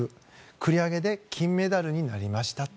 繰り上げで金メダルになりました。